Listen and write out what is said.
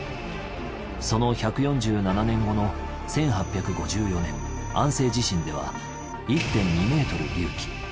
その１４７年後の１８５４年安政地震では１．２ｍ隆起。